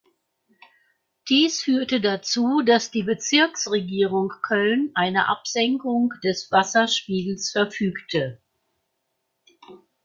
Dies führte dazu, dass die Bezirksregierung Köln eine Absenkung des Wasserspiegels verfügte.